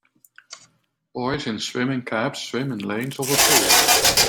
Boys in swimming caps swim in lanes of a pool.